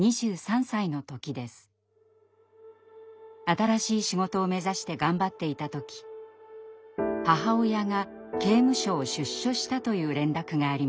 新しい仕事を目指して頑張っていた時母親が刑務所を出所したという連絡がありました。